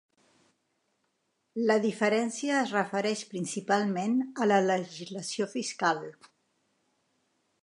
La diferència es refereix principalment a la legislació fiscal.